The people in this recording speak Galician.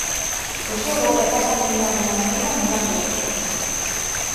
O xogo é pasar de mirar dunha maneira a mirar doutra.